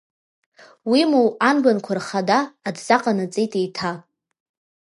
Уимоу анбанқәа рхада, адҵа ҟанаҵеит еиҭа…